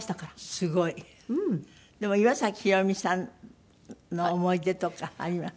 すごい！岩崎宏美さんの思い出とかあります？